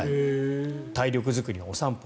体力作りにお散歩。